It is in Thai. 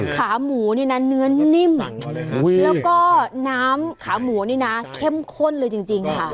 ขาหมูนี่นะเนื้อนิ่มแล้วก็น้ำขาหมูนี่นะเข้มข้นเลยจริงค่ะ